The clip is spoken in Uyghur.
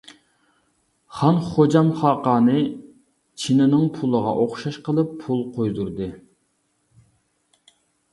خان خوجام خاقانى چىنىنىڭ پۇلىغا ئوخشاش قىلىپ پۇل قۇيدۇردى.